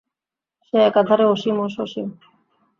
সে একাধারে অসীম ও সসীম।